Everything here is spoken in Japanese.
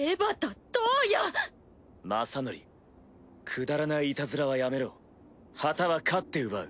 くだらないイタズラはやめろ旗は勝って奪う。